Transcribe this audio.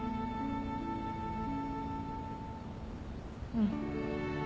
うん。